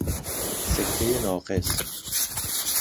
سکته ناقص